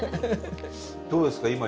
どうですか？